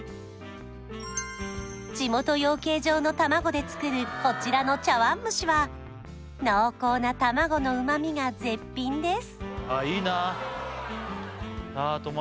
地元養鶏場の卵で作るこちらの茶碗蒸しは濃厚な卵の旨みが絶品です